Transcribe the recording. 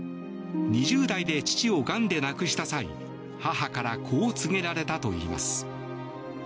２０代で父をがんで亡くした際母からこう告げられたといいます。